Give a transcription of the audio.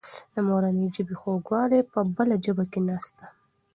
د مورنۍ ژبې خوږوالی په بله ژبه کې نسته.